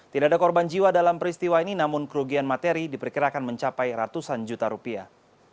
tidak ada korban jiwa dalam peristiwa ini namun kerugian materi diperkirakan mencapai ratusan juta rupiah